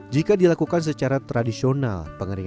jika dilakukan secara tradisional